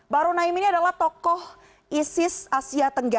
bahru naim ini adalah tokoh isis asia tenggara